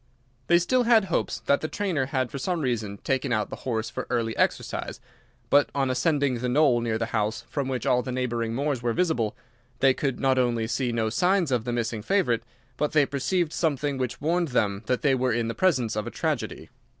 They still had hopes that the trainer had for some reason taken out the horse for early exercise, but on ascending the knoll near the house, from which all the neighbouring moors were visible, they not only could see no signs of the missing favourite, but they perceived something which warned them that they were in the presence of a tragedy.